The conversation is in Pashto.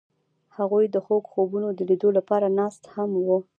هغوی د خوږ خوبونو د لیدلو لپاره ناست هم وو.